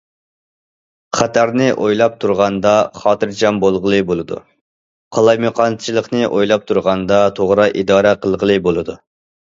خەتەرنى ئويلاپ تۇرغاندا، خاتىرجەم بولغىلى بولىدۇ، قالايمىقانچىلىقنى ئويلاپ تۇرغاندا، توغرا ئىدارە قىلغىلى بولىدۇ.